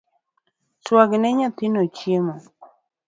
Swagne nyathi chiemo